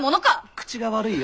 口が悪いよ。